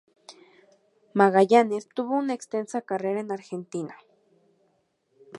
Magallanes tuvo una extensa carrera en Argentina.